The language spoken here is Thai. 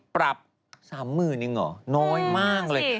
ปรับ๓๐๐๐๐อ่อน้อยมากเลย